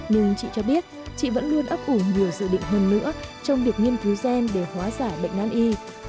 nhưng chị cho biết chị vẫn luôn ấp ủ nhiều dự định hơn nữa trong việc nghiên cứu gen để hóa giải bệnh nan y